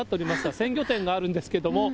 鮮魚店があるんですけれども。